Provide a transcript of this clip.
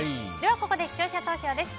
ここで視聴者投票です。